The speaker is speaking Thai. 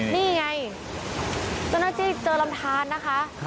นี่ไงเจ้าหน้าที่เจอลำทานนะคะ